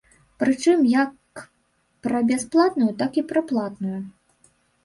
Прычым як пра бясплатную, так і пра платную.